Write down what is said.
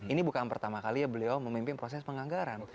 ini bukan pertama kali ya beliau memimpin proses penganggaran